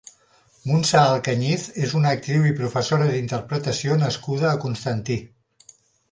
Muntsa Alcañiz és una actriu i professora d'interpretació nascuda a Constantí.